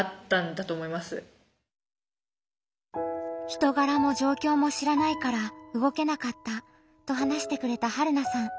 人がらも状況も知らないから動けなかったと話してくれたはるなさん。